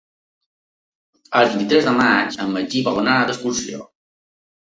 El vint-i-tres de maig en Magí vol anar d'excursió.